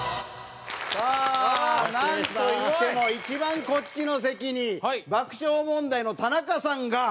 さあなんといっても一番こっちの席に爆笑問題の田中さんが初登場でございます！